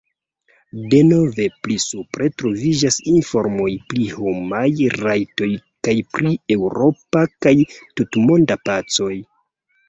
Denove pli supre troviĝas informoj pri homaj rajtoj kaj pri eŭropa kaj tutmonda pacoj.